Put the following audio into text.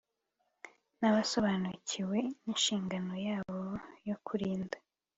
nabasobanukiwe ninshingano yabo yo kurinda